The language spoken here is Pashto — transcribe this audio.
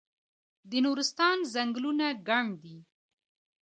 د نورستان ځنګلونه ګڼ دي